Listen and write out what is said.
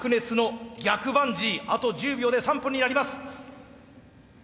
あと１０秒で３分になります。